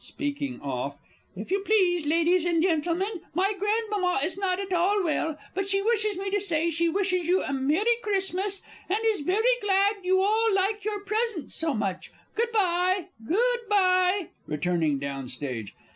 (Speaking off.) "If you please, Ladies and Gentlemen, my Grandmama is not at all well, but she wishes me to say she wishes you a Merry Christmas, and is very glad you all like your presents so much. Good bye, good bye!" (_Returning down Stage.